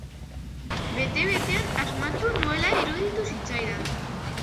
Bete-betean asmatu nuela iruditu zitzaidan.